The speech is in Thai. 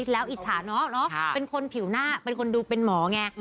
แล้วอิจฉาเนาะเป็นคนผิวหน้าเป็นคนดูเป็นหมอไง